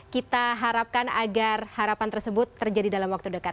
kita harapkan agar harapan tersebut terjadi dalam waktu dekat